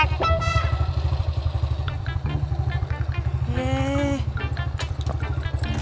tidak mau motornya jelek